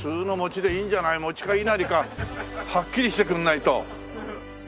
餅かいなりかはっきりしてくれないと。